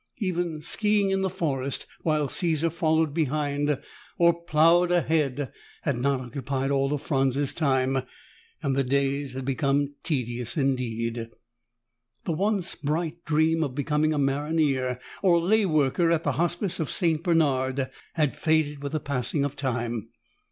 Even skiing in the forest while Caesar followed behind or plowed ahead had not occupied all of Franz's time, and the days had become tedious indeed. The once bright dream of becoming a maronnier, or lay worker, at the Hospice of St. Bernard had faded with the passing of time.